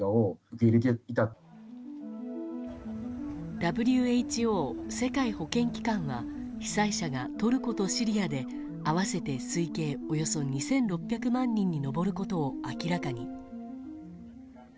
ＷＨＯ・世界保健機関は被災者がトルコとシリアで合わせて推計およそ２６００万人に上ることを明らかに。